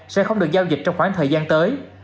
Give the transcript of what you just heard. sẽ không được giao dịch trong khoảng thời gian tới